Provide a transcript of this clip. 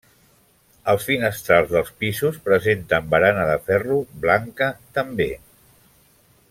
Els finestrals dels pisos presenten barana de ferro blanca també.